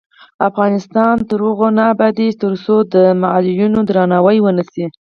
افغانستان تر هغو نه ابادیږي، ترڅو د معلولینو درناوی ونشي.